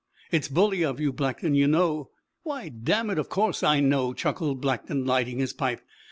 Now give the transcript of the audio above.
It's bully of you, Blackton! You know " "Why, dammit, of course I know!" chuckled Blackton, lighting his pipe.